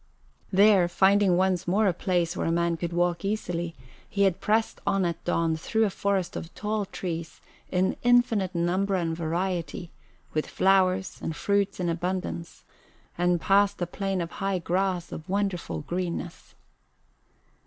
There, finding once more a place where a man could walk easily, he had pressed on at dawn through a forest of tall trees in infinite number and variety, with flowers and fruits in abundance, and past a plain of high grass of wonderful greenness.